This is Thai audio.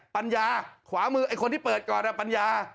ปัญญาขวามือไอ้คนที่เปิดก่อนปัญญา